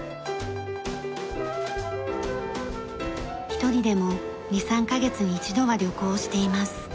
一人でも２３カ月に一度は旅行をしています。